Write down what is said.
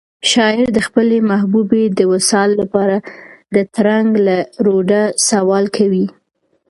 شاعر د خپلې محبوبې د وصال لپاره د ترنګ له روده سوال کوي.